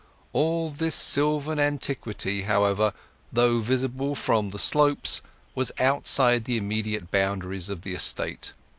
All this sylvan antiquity, however, though visible from The Slopes, was outside the immediate boundaries of the estate.